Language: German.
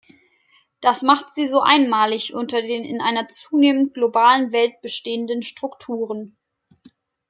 Das macht sie so einmalig unter den in einer zunehmend globalen Welt bestehenden Strukturen.